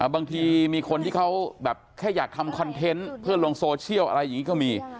บางทีมีคนที่เขาแบบแค่อยากทำคอนเทนต์เพื่อลงโซเชียลอะไรอย่างนี้ก็มี